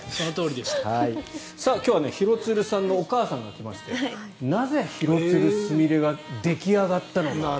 今日は廣津留さんのお母さんが来てなぜ廣津留すみれが出来上がったのか。